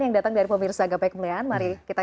yang datang dari pemirsa gapai kemuliaan mari kita